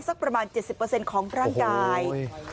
สักประมาณเจ็ดสิบเปอร์เซ็นต์ของร่างกายโอ้โฮ